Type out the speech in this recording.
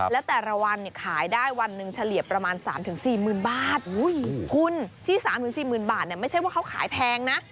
และแต่ละวันเนี่ยขายได้วันหนึ่งเฉลี่ยประมาณ๓๔หมื่นบาทคุณที่๓๔หมื่นบาทเนี่ยไม่ใช่ว่าเขาขายแพงนะ